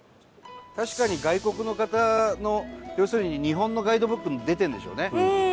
確かに外国の方の要するに日本のガイドブックに出てるんでしょうね。